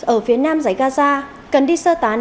ở phía nam giải gaza cần đi sơ tán